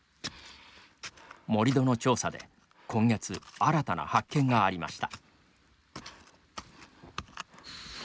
盛り土の調査で今月、新たな発見がありました。